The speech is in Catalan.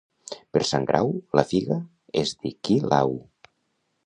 Per Sant Grau, la figa és de qui l'hau.